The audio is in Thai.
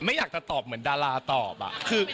ไม่อยากจะตอบเหมือนดาราตอบอะ